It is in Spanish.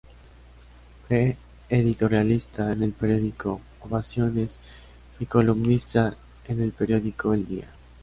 Fue editorialista en el periódico "Ovaciones" y columnista en el periódico "El día".